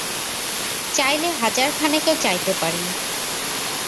চাইলে হাজারখানেকও চাইতে পারি।